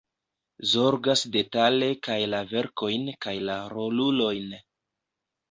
Zorgas detale kaj la verkojn kaj la rolulojn.